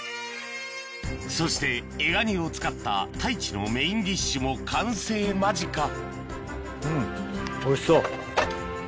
そしてエガニを使った太一のメインディッシュも完成間近うん。